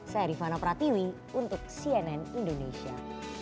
saya rifana pratiwi untuk cnn indonesia